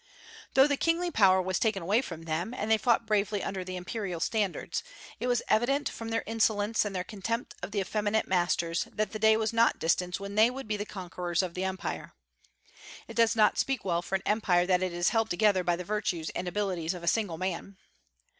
Though the kingly power was taken away from them and they fought bravely under the imperial standards, it was evident from their insolence and their contempt of the effeminate masters that the day was not distant when they would be the conquerors of the Empire. It does not speak well for an empire that it is held together by the virtues and abilities of a single man.